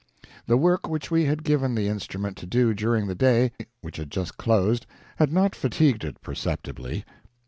The work which we had given the instrument to do during the day which had just closed had not fatigued it perceptibly.